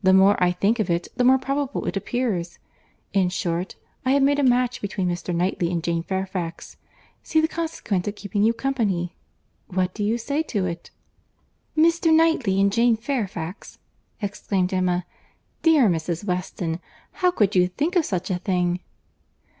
The more I think of it, the more probable it appears. In short, I have made a match between Mr. Knightley and Jane Fairfax. See the consequence of keeping you company!—What do you say to it?" "Mr. Knightley and Jane Fairfax!" exclaimed Emma. "Dear Mrs. Weston, how could you think of such a thing?